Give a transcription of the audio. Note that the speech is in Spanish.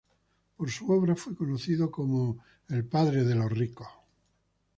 Por su obra fue conocido como el "Padre de los pobres".